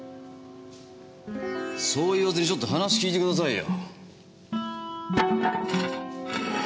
そう言わずにちょっと話聞いてくださいよ。